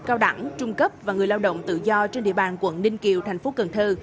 cao đẳng trung cấp và người lao động tự do trên địa bàn quận ninh kiều thành phố cần thơ